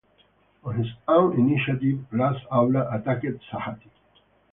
On his own initiative, Ras Alula attacked Sahati.